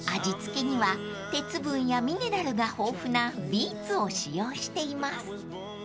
［味付けには鉄分やミネラルが豊富なビーツを使用しています］